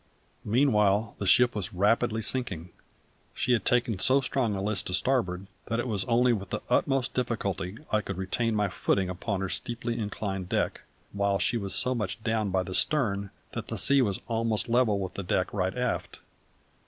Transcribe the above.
Meanwhile the ship was rapidly sinking; she had taken so strong a list to starboard that it was only with the utmost difficulty I could retain my footing upon her steeply inclined deck, while she was so much down by the stern that the sea was almost level with the deck right aft.